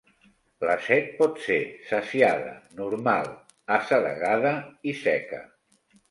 La set pot ser "saciada", "normal", "assedegada" i "seca".